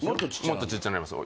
もっとちっちゃなります